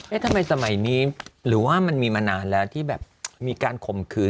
ทำไมสมัยนี้หรือว่ามันมีมานานแล้วที่แบบมีการข่มขืน